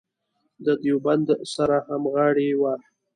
د دیوبند سره همغاړې وه.